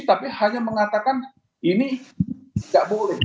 tapi hanya mengatakan ini tidak buruk